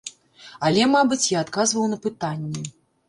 Але, мабыць, я адказваў на пытанні.